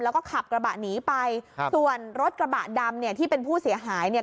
แล้วก็ขับกระบะหนีไปครับส่วนรถกระบะดำเนี่ยที่เป็นผู้เสียหายเนี่ย